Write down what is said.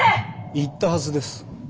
言ったはずです。